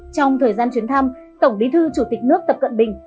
trong thời gian chuyến thăm tổng bí thư chủ tịch nước tập cận bình